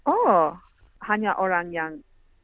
oh hanya orang yang